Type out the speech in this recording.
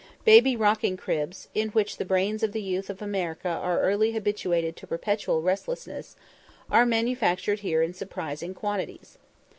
Baby rocking cribs, in which the brains of the youth of America are early habituated to perpetual restlessness, are manufactured here in surprising quantities.